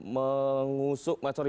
mengusuk maaf sorry